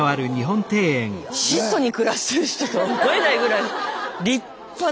質素に暮らしてる人とは思えないぐらい立派な。